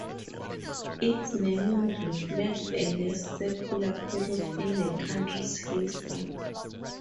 Its naming reflects a less secular period in the country's history.